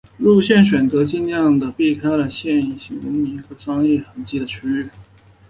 路线选择尽量的避开了有现代文明商业痕迹的区域。